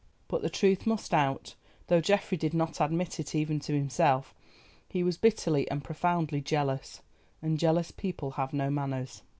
But the truth must out: though Geoffrey did not admit it even to himself he was bitterly and profoundly jealous, and jealous people have no manners.